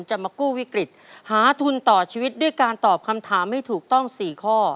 จะมากู้วิกฤตหาทุนต่อชีวิตด้วยการตอบคำถามให้ถูกต้อง๔ข้อ